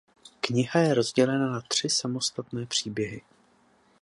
Kniha je rozdělena na tři samostatné příběhy.